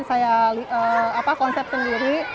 saya apa konsep sendiri